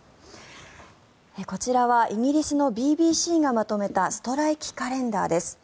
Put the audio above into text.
こちらはイギリスのＢＢＣがまとめたストライキ・カレンダーです。